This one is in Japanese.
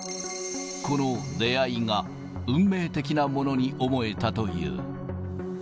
この出会いが運命的なものに思えたという。